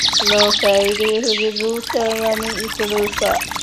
ލޯކައިރީ ހުރި ރޫތައް ވަނީ އިތުރު ވެފަ